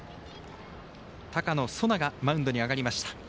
高野颯波がマウンドに上がりました。